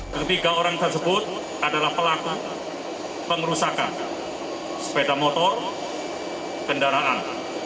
ketiga orang tersebut adalah pelaku pengerusakan sepeda motor kendaraan